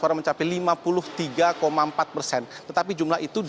tetapi jumlah itu diratakan oleh jokowi